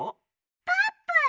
「ぱーぷん！」。